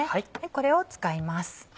これを使います。